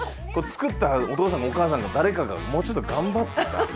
作ったお父さんかお母さんか誰かがもうちょっと頑張ってさ。